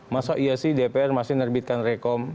masa iya sih dpr masih nerbitkan rekom